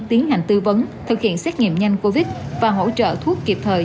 tiến hành tư vấn thực hiện xét nghiệm nhanh covid và hỗ trợ thuốc kịp thời